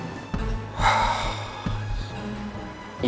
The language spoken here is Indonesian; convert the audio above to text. ya dia masih belum sadarkan diri